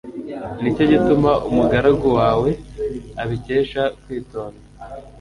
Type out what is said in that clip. Ni cyo gituma umugaragu wawe abikesha kwitonda